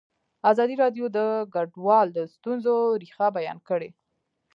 ازادي راډیو د کډوال د ستونزو رېښه بیان کړې.